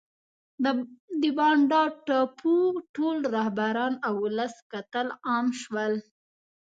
د بانډا ټاپو ټول رهبران او ولس قتل عام شول.